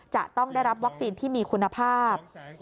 จะต้องได้รับวัคซีนที่มีคุณภาพ